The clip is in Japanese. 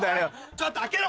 ちょっと開けろ！